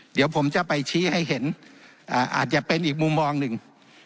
เดี๋ยวผมจะไปชี้ให้เห็นอาจจะเป็นอีกมุมมองหนึ่ง